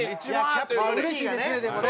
うれしいですねでもね。